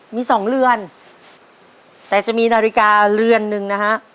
มีสองเรือนแต่จะมีนาฬิกาเรือนหนึ่งนะฮะ